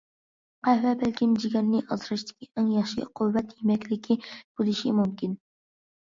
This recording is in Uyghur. قەھۋە بەلكىم جىگەرنى ئاسراشتىكى ئەڭ ياخشى« قۇۋۋەت يېمەكلىكى» بولۇشى مۇمكىن.